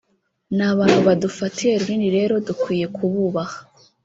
ni abantu badufatiye runini rero dukwiye kububaha